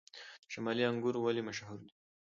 د شمالي انګور ولې مشهور دي؟